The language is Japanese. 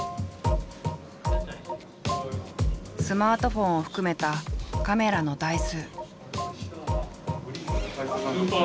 スマートフォンを含めたカメラの台数。